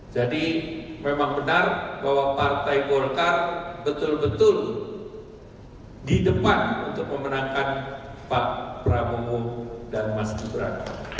jadi memang benar bahwa partai golkar betul betul di depan untuk memenangkan pak prabowo dan mas gibran